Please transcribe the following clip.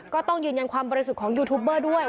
ก็ต้องยืนยันความบริสุทธิ์ของยูทูปเบอร์ด้วย